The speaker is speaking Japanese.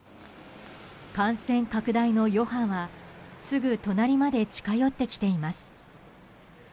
感染拡大の余波はすぐ隣まで近寄ってきています。